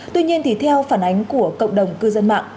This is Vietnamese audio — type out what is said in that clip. tuy nhiên thì theo phản ánh của cộng đồng cư dân mạng